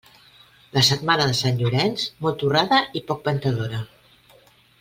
La setmana de Sant Llorenç, molt torrada i poc ventadora.